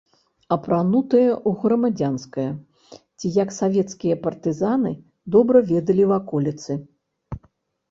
Апранутыя ў грамадзянскае ці як савецкія партызаны, добра ведалі ваколіцы.